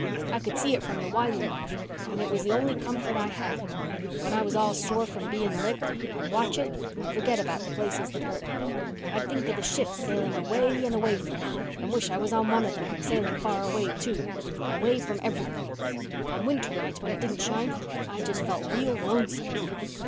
I could see it from the Wiley loft and it was the only comfort I had. When I was all sore from being licked I'd watch it and forget about the places that hurt. I'd think of the ships sailing away and away from it and wish I was on one of them sailing far away too—away from everything. On winter nights when it didn't shine, I just felt real lonesome.